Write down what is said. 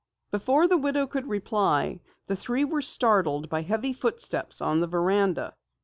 Before the widow could reply, the three were startled by heavy footsteps on the veranda.